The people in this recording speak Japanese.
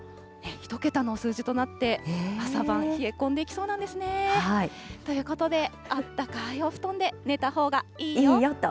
１桁の数字となって、朝晩冷え込んでいきそうなんですね。ということで、あったかいお布団で寝たほうがいいよと。